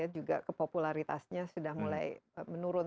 juga kepopularitasnya sudah mulai menurun